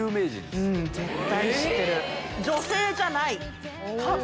女性じゃない多分。